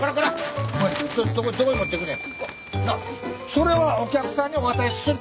それはお客さんにお渡しする。